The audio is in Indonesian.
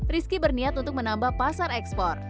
rizky berniat untuk menambah pasar ekspor